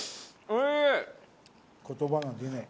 言葉が出ない。